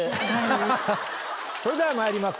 それではまいります